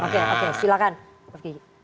oke oke silakan pak fiky